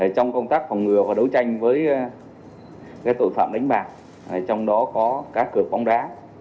trong công tác phòng ngừa và đấu tranh với tội phạm đánh bạc trong đó có cá cờ bóng đá